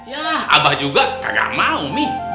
yalah abah juga kagak mau mih